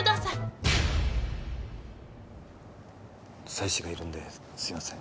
妻子がいるんですいません。